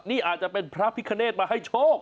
นี่อาจจะเป็นพระพิคเนธมาให้โชค